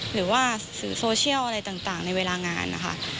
หรือว่าสื่อโซเชียลอะไรต่างในเวลางานนะคะ